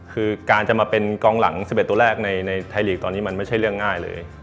คือการจะมาเป็นกองหลัง๑๑ตัวแรกในไทยลีกตอนนี้มันไม่ใช่เรื่องง่ายเลย